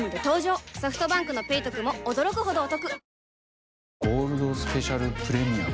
ソフトバンクの「ペイトク」も驚くほどおトク